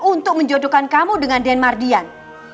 untuk menjodohkan kamu dengan den mardian